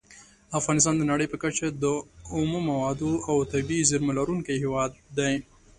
افغانستان د نړۍ په کچه د اومو موادو او طبیعي زېرمو لرونکی هیواد دی.